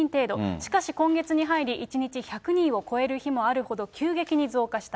しかし、今月に入り１日１００人を超える日もあるほど急激に増加した。